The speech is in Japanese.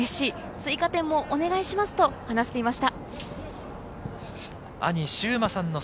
追加点もお願いしますと話していました。